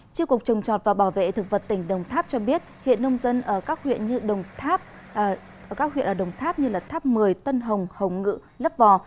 triệu cục trồng trọt và bảo vệ thực vật tỉnh đồng tháp cho biết hiện nông dân ở các huyện ở đồng tháp như tháp một mươi tân hồng hồng ngự lấp vò